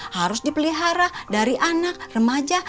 harus dipelihara dari anak remaja